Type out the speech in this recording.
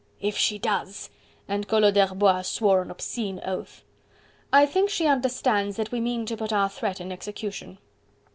"If she does..." and Collot d'Herbois swore an obscene oath. "I think she understands that we mean to put our threat in execution."